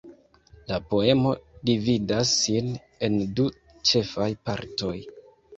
La poemo dividas sin en du ĉefaj partoj.